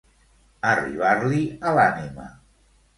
Arribar-li a l'ànima.